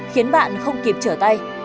khiến bạn không kịp trở tay